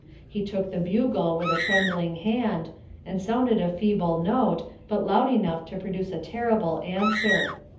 He took the bugle with a trembling hand, and [sounded] a feeble note, but loud enough to produce a terrible answer.